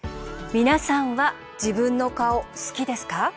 皆さんは自分の顔、好きですか？